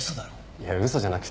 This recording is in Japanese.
いや嘘じゃなくて。